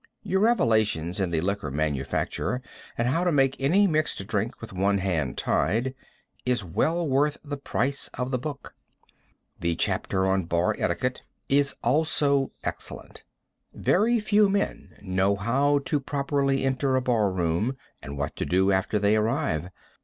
Your revelations in the liquor manufacture, and how to make any mixed drink with one hand tied, is well worth the price of the book. The chapter on bar etiquette is also excellent. Very few men know how to properly enter a bar room and what to do after they arrive.